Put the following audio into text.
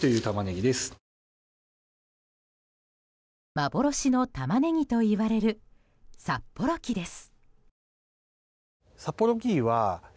幻のタマネギといわれる札幌黄です。